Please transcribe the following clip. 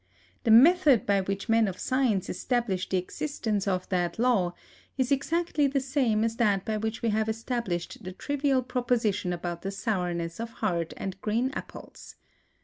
The method by which men of science establish the existence of that law is exactly the same as that by which we have established the trivial proposition about the sourness of hard and green apples.